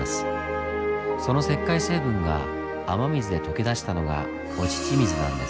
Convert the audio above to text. その石灰成分が雨水で溶け出したのがお乳水なんです。